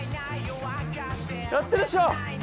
やってるっしょ！？